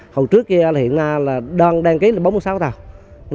hồi trước hiện ra là đoàn đăng ký là bốn mươi sáu tàu